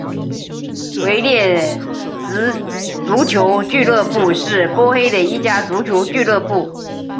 维列兹足球俱乐部是波黑的一家足球俱乐部。